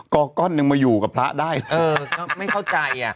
ก็ก้อนหนึ่งมาอยู่กับพระได้เออก็ไม่เข้าใจอ่ะ